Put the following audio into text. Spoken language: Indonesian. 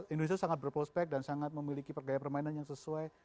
indonesia sangat berprospek dan sangat memiliki pergaya permainan yang sesuai